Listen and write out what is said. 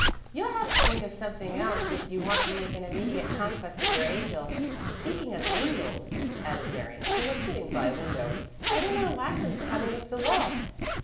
You'll have to think of something else if you want to make an immediate conquest of your angel. And speaking of angels," added Mary, who was sitting by a window, "Eleanor Watson is coming up the walk."